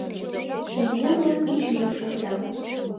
Шеҥгелне пуч йӱк шокта.